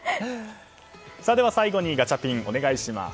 最後にガチャピンお願いします。